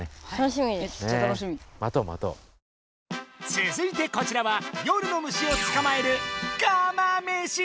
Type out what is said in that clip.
つづいてこちらは夜の虫をつかまえる